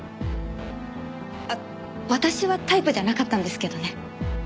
あっ私はタイプじゃなかったんですけどね。